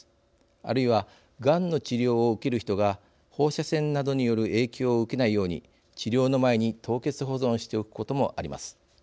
あるいはがんの治療を受ける人が放射線などによる影響を受けないように治療の前に凍結保存しておくこともあります。